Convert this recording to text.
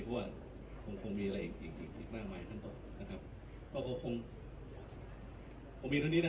โปรดติดตามต่อไป